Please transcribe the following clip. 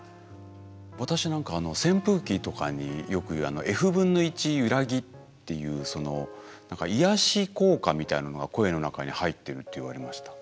私何か扇風機とかによく言うｆ分の１ゆらぎっていう何か癒やし効果みたいなのが声の中に入ってるって言われました。